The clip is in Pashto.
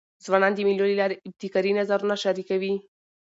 ځوانان د مېلو له لاري ابتکاري نظرونه شریکوي.